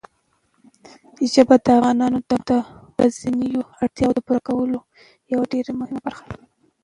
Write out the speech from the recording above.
ژبې د افغانانو د ورځنیو اړتیاوو د پوره کولو یوه ډېره مهمه وسیله ده.